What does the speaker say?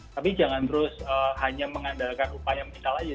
tapi jangan terus hanya mengandalkan upaya menikal aja